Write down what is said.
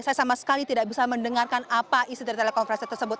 saya sama sekali tidak bisa mendengarkan apa isi dari telekonferensi tersebut